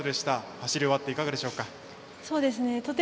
走り終わっていかがでしょうか？